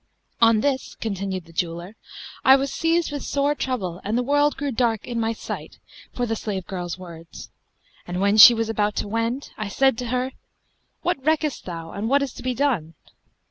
On this" (continued the jeweller), "I was seized with sore trouble and the world grew dark in my sight for the slave girl's words; and when she was about to wend, I said to her, 'What reckest thou and what is to be done?'